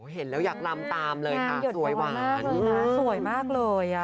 เห็นแล้วอยากลำตามเลยค่ะสวยหวานสวยมากเลย